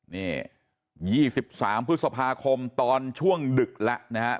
นี่๒๓พฤษภาคมตอนช่วงดึกแล้วนะฮะ